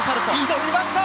挑みました！